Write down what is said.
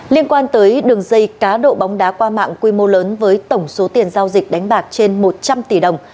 liên quan tới đường dây cá độ bóng đá qua mạng quy mô lớn với tổng số tiền giao dịch đánh bạc trên một trăm linh tỷ đồng